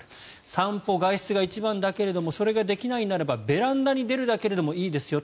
散歩、外出が一番だけれどもそれができないのならベランダに出るだけでもいいですよ